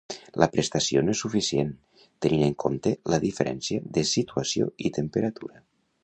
La prestació no és suficient tenint en compte la diferència de situació i temperatura.